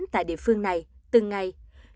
tại địa phương này từng ngày